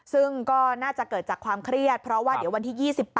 ซึ่งก็น่าจะเกิดจากความเครียดเพราะว่าเดี๋ยววันที่๒๘